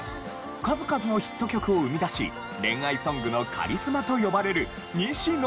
数々のヒット曲を生み出し恋愛ソングのカリスマと呼ばれる西野カナ。